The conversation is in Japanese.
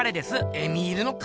エミールの彼？